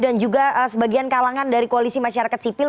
dan juga sebagian kalangan dari koalisi masyarakat sivil